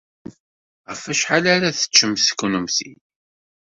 Ɣef wacḥal ara teččemt kennemti?